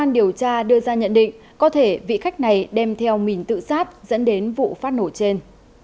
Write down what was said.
điều tra đưa ra nhận định có thể vị khách này đem theo mình tự sát dẫn đến vụ phát nổ trên